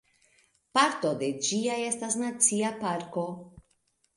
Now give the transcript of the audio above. Parto de ĝi estas nacia parko.